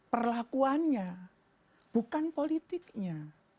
perlakuannya bukan politiknya